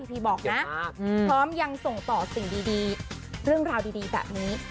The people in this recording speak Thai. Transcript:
พร้อมยังส่งต่อเรื่องราวดีแบบนี้